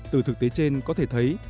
từ thực tế trên có thể thấy